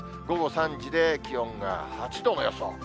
午後３時で気温が８度の予想。